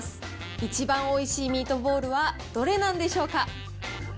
一番おいしいミートボールはどれなんでしょうか。